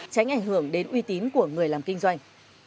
tránh ảnh hưởng đến uy tín của người làm kinh doanh